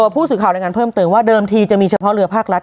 ผู้สื่อข่าวรายงานเพิ่มเติมว่าเดิมทีจะมีเฉพาะเรือภาครัฐ